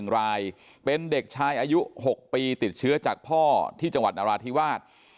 ๑รายเป็นเด็กชายอายุ๖ปีติดเชื้อจากพ่อที่จังหวัดนราธิวาส